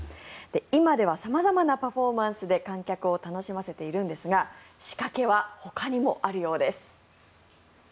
今では様々なパフォーマンスで観客を楽しませているんですが仕掛けはほかにもあるようです。